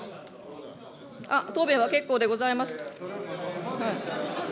答弁は結構でございます。